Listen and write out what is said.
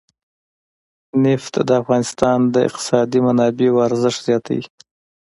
نفت د افغانستان د اقتصادي منابعو ارزښت زیاتوي.